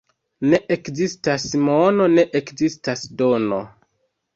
Ne ekzistas mono, ne ekzistas dono.